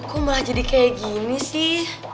aku malah jadi kayak gini sih